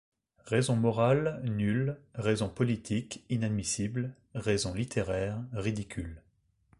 Raisons morales, nulles ; raisons politiques, inadmissibles ; raisons littéraires, ridicules.